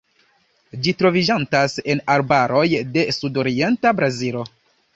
Ĝi troviĝantas en arbaroj de sudorienta Brazilo.